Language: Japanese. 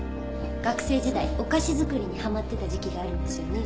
学生時代お菓子作りにハマってた時期があるんですよね。